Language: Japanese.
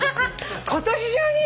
今年中に？